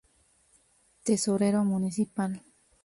Tesorero municipal.